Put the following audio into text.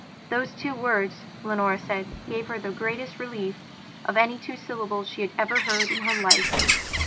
Those two words, Leonora said, gave her the greatest relief of any two syllables she had ever heard in her life.